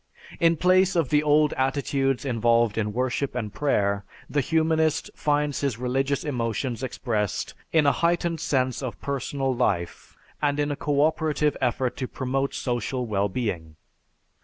"In place of the old attitudes involved in worship and prayer, the humanist finds his religious emotions exprest in a heightened sense of personal life and in a cooperative effort to promote social well being.